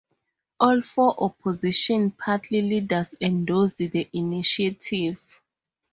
All four opposition party leaders endorsed the initiative.